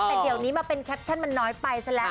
แต่เดี๋ยวนี้มาเป็นแคปชั่นมันน้อยไปซะแล้ว